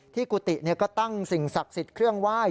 กุฏิก็ตั้งสิ่งศักดิ์สิทธิ์เครื่องไหว้